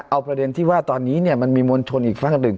เอาประเด็นที่ว่าตอนนี้มันมีมวลชนอีกฝากหนึ่ง